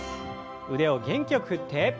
腕を元気よく振って。